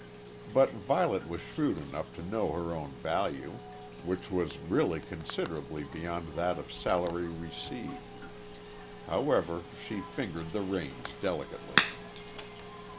But Violet was shrewd enough to know her own value, which was really considerably beyond that of salary received. However, she fingered the reins delicately.